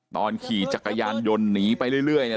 ขี่จักรยานยนต์หนีไปเรื่อยเนี่ย